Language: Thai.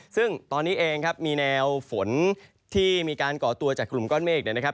ซึ่งตอนนี้เองครับมีแนวฝนที่มีการก่อตัวจากกลุ่มก้อนเมฆเนี่ยนะครับ